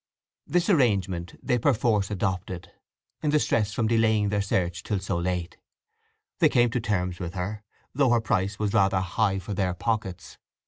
This arrangement they perforce adopted, in the stress from delaying their search till so late. They came to terms with her, though her price was rather high for their pockets.